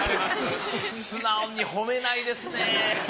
素直に褒めないですね。